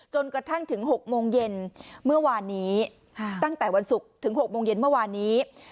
จนกระทั่งถึง๖โมงเย็นเมื่อวานนี้ตั้งแต่วันศุกร์ถึง๖โมงเย็นเมื่อวานนี้